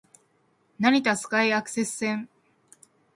成田スカイアクセス線